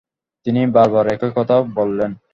তিনি বার বার একই কথা বললেন।